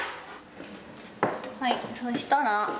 はいそうしたら。